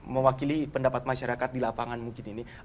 mewakili pendapat masyarakat di lapangan mungkin ini